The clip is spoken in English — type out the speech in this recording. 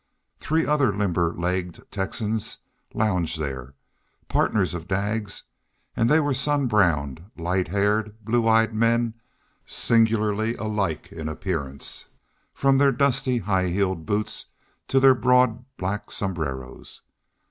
Three other limber legged Texans lounged there, partners of Daggs, and they were sun browned, light haired, blue eyed men singularly alike in appearance, from their dusty high heeled boots to their broad black sombreros.